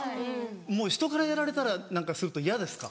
もうひとからやられたら何かするとイヤですか？